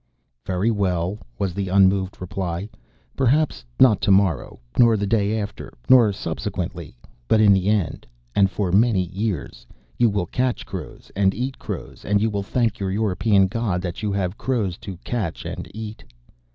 "Very well," was the unmoved reply. "Perhaps not to morrow, nor the day after, nor subsequently; but in the end, and for many years, you will catch crows and eat crows, and you will thank your European God that you have crows to catch and eat."